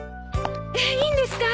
えっいいんですか？